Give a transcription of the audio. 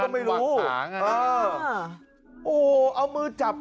มือมือจับ